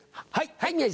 はい！